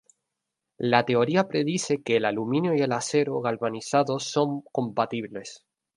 La teoría predice que el aluminio y el acero galvanizado son compatibles.